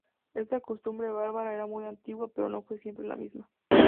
Esta costumbre bárbara era muy antigua pero no fue siempre la misma.